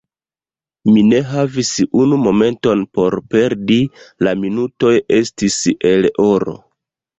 Mi ne havis unu momenton por perdi: la minutoj estis el oro.